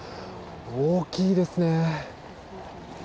大きいですね。